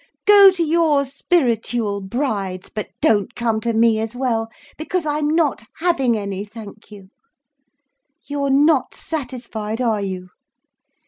Go to your spiritual brides—but don't come to me as well, because I'm not having any, thank you. You're not satisfied, are you?